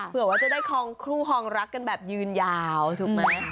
เผื่อว่าจะได้คลองคู่คลองรักกันแบบยืนยาวถูกไหม